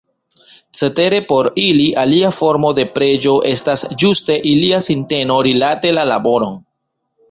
Cetere por ili alia formo de preĝo estas ĝuste ilia sinteno rilate la laboron.